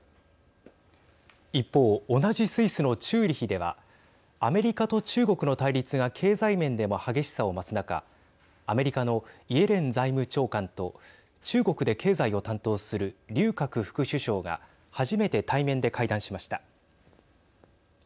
一方同じスイスのチューリヒではアメリカと中国の対立が経済面でも激しさを増す中アメリカのイエレン財務長官と中国で経済を担当する劉鶴副首相が初めて対面で会談しました。